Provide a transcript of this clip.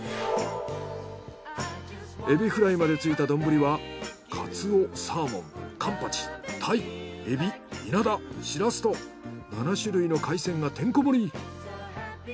エビフライまでついた丼はカツオサーモンカンパチタイエビイナダシラスと７種類の海鮮がてんこ盛り。